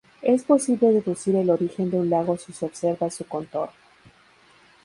Es posible deducir el origen de un lago si se observa su contorno.